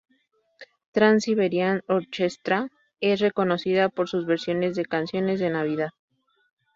Trans-Siberian Orchestra es reconocida por sus versiones de canciones de Navidad.